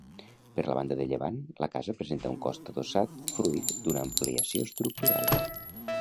Per la banda de llevant, la casa presenta un cos adossat fruit d'una ampliació estructural.